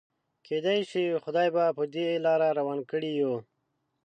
کيدای شي خدای به په دې لاره روان کړي يو.